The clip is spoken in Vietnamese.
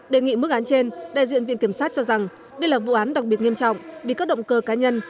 đề nghị mức án trên đại diện viện kiểm sát cho rằng đây là vụ án đặc biệt nghiêm trọng vì các động cơ cá nhân